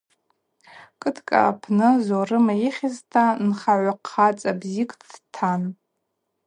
Кыткӏ апны Зорым йыхьызта нхагӏв хъацӏа бзикӏ дтан.